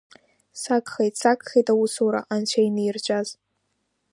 Сагхеит, сагхеит аусура, анцәа инирҵәаз…